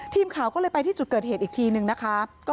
ทีมข่าวก็เลยไปที่จุดเกิดเหตุอีกทีนึงนะคะ